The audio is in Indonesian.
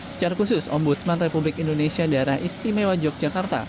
secara khusus ombudsman republik indonesia daerah istimewa yogyakarta